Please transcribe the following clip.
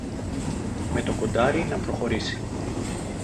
με το κοντάρι να προχωρήσει.